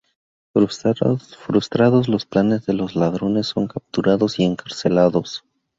Frustrados los planes de los ladrones son capturados y encarcelados.